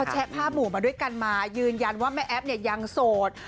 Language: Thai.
เค้าแชร์ภาพหมู่มาด้วยกันมายืนยันว่าแม่แอ๊บยังโสด